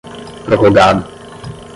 prorrogado